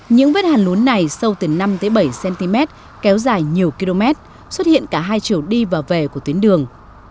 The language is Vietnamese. những vết hàn lún này sâu từ năm bảy cm kéo dài nhiều km xuất hiện cả hai chiều đi và về của tuyến đường